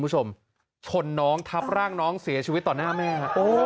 คุณผู้ชมชนน้องทับร่างน้องเสียชีวิตต่อหน้าแม่